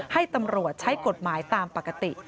ให้ตำรวจใช้กฎหมายตามปกติ